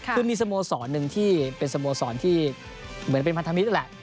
คือมีสโมสรหนึ่งที่เป็นสโมสรที่เหมือนเป็นพันธมิตรนั่นแหละ